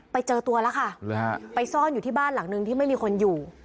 ไปเจอตัวแล้วค่ะไปซ่อนอยู่ที่บ้านหลังนึงที่ไม่มีคนอยู่